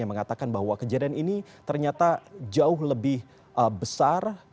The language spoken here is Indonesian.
yang mengatakan bahwa kejadian ini ternyata jauh lebih besar